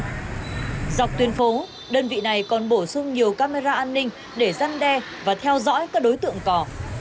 dọc tuyến phố đơn vị này còn bổ sung nhiều camera an ninh để răn đe và theo dõi các đối tượng cò